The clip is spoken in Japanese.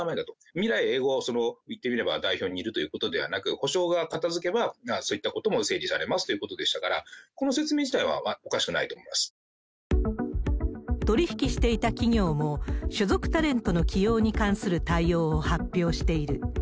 未来永ごう、その言ってみれば、代表にいるということではなく、補償が片づけば、そういったことも整理されますということでしたから、この説明自取り引きしていた企業も、所属タレントの起用に関する対応を発表している。